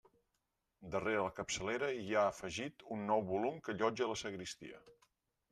Darrere la capçalera hi ha afegit un nou volum que allotja la sagristia.